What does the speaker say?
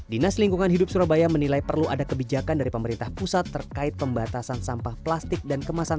dinas lingkungan hidup surabaya menilai perlu ada kebijakan dari pemerintah pusat terkait pembatasan sampah plastik dan kemasan